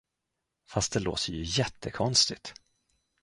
Fast det låter ju jättekonstigt.